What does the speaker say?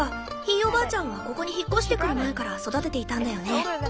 ひいおばあちゃんはここに引っ越してくる前から育てていたんだよね？